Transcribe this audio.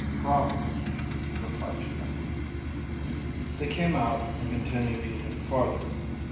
"Probably," replied Geo. They came out and continued even farther.